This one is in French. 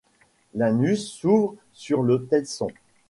L’anus s’ouvre sur le telson.